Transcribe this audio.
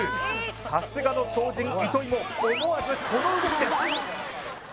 さすがの超人糸井も思わずこの動きです